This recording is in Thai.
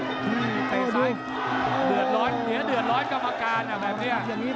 เดือดร้อนเดือดร้อนกรรมการอ่ะแม่เพี้ย